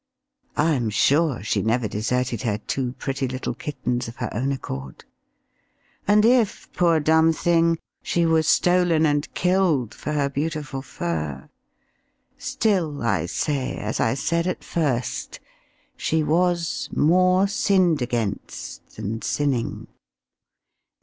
I am sure she never deserted her two pretty little kittens of her own accord. And if poor dumb thing she was stolen and killed for her beautiful fur, still I say, as I said at first, she was "more sinned against than sinning."